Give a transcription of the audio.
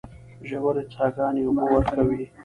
ژورې څاګانې اوبه ورکوي.